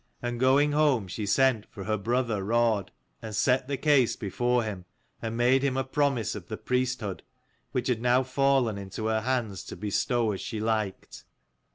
And going home she sent for her brother Raud and set the case before him, and made him a promise of the priesthood, which had now fallen into her hands to bestow as she liked.